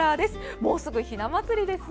もうすぐ、ひな祭りですね。